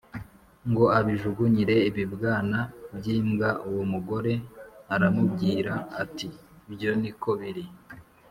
Ngo abijugunyire ibibwana by imbwa uwo mugore aramubwira ati ibyo ni ko biri